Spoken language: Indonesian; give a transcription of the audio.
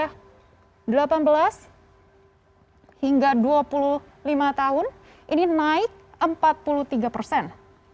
hingga dua puluh lima tahun ini naik empat puluh tiga persen